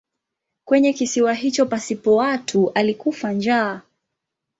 Kwenye kisiwa hicho pasipo watu alikufa njaa.